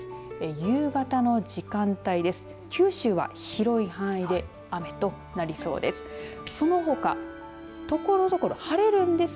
夕方の時間帯です。